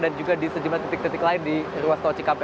dan juga di sejumlah titik titik lain di ruas tol ckp